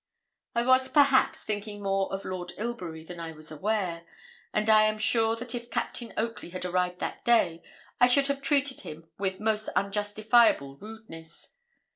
I was, perhaps, thinking more of Lord Ilbury than I was aware; and I am sure if Captain Oakley had arrived that day, I should have treated him with most unjustifiable rudeness.